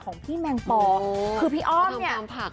ของพี่แมงปอคือพี่อ้อมเนี่ย